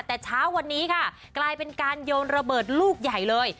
แต่เช้าวันนี้ค่ะกลายเป็นการโยนระเบิดลูกใหญ่เลย